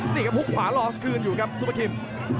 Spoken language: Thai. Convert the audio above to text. ตีกับฮุกขวารอสคืนอยู่ครับซุปเปอร์กิม